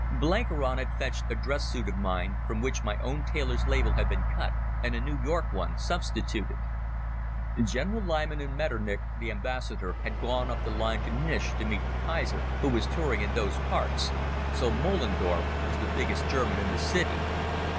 Blenkiron had fetched a dress suit of mine, from which my own tailor's label had been cut and a New York one substituted. General Liman and Metternich the Ambassador had gone up the line to Nish to meet the Kaiser, who was touring in those parts, so Moellendorff was the biggest German in the city.